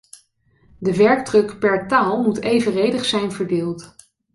De werkdruk per taal moet evenredig zijn verdeeld.